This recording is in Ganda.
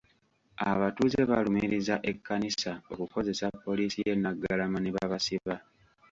Abatuuze balumiriza Ekkanisa okukozesa poliisi y'e Naggalama ne babasiba.